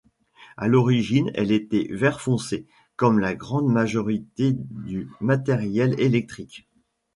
À l'origine, elle était vert foncé, comme la grande majorité du matériel électrique.